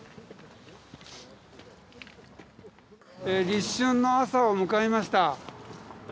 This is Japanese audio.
立春の朝を迎えました。